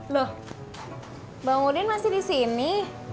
loh bang udin masih di sini